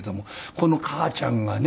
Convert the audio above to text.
この母ちゃんがね